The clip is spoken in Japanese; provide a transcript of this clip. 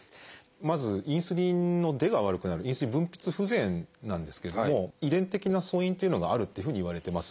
まずインスリンの出が悪くなるインスリン分泌不全なんですけれども遺伝的な素因というのがあるっていうふうにいわれてます。